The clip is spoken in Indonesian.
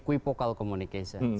namanya ekipokal komunikasi